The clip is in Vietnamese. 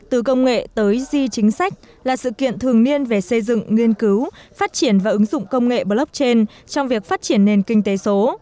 từ công nghệ tới di chính sách là sự kiện thường niên về xây dựng nghiên cứu phát triển và ứng dụng công nghệ blockchain trong việc phát triển nền kinh tế số